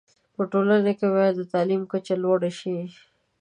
په ټولنه کي باید د تعلیم کچه لوړه شی